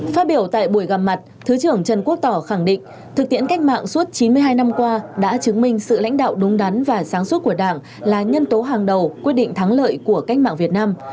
phát biểu tại buổi gặp mặt thứ trưởng trần quốc tỏ khẳng định thực tiễn cách mạng suốt chín mươi hai năm qua đã chứng minh sự lãnh đạo đúng đắn và sáng suốt của đảng là nhân tố hàng đầu quyết định thắng lợi của cách mạng việt nam